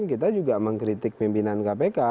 kita juga mengkritik pimpinan kpk